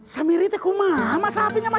samiri kamu masih masih tidak mati